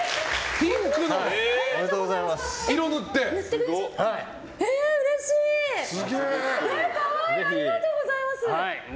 おめでとうございます。